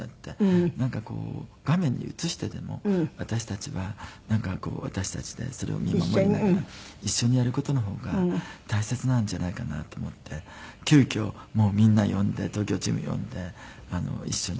なんかこう画面に映してでも私たちは私たちでそれを見守りながら一緒にやる事の方が大切なんじゃないかなと思って急遽みんな呼んで東京チーム呼んで一緒に。